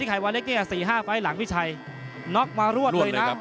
ที่คลัย๔๕ฟ้ายที่หลังนองมารวดเลยนะ